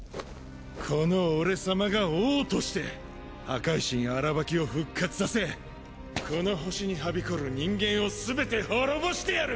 この俺様が王として破壊神アラバキを復活させこの星にはびこる人間をすべて滅ぼしてやる！